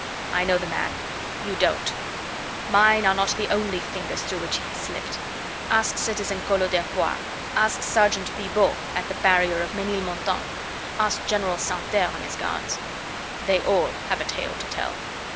I know the man; you don't. Mine are not the only fingers through which he has slipped. Ask citizen Collot d'Herbois, ask Sergeant Bibot at the barrier of Menilmontant, ask General Santerre and his guards. They all have a tale to tell.